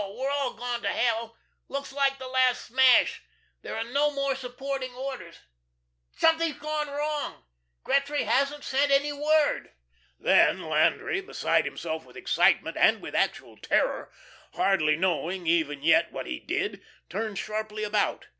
We're all gone to hell; looks like the last smash. There are no more supporting orders something's gone wrong. Gretry hasn't sent any word." Then, Landry, beside himself with excitement and with actual terror, hardly knowing even yet what he did, turned sharply about.